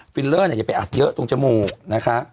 ฟิลเรอเนี้ยจะไปอัดเยอะตรงจมูก